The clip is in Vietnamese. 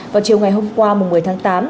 vào chiều ngày hôm qua một mươi tháng chín